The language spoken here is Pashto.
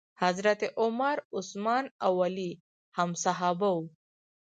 حضرت عمر، عثمان او علی هم صحابه وو.